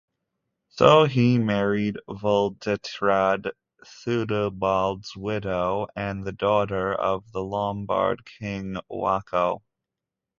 So he married Vuldetrade, Theudebald's widow and the daughter of the Lombard king Wacho.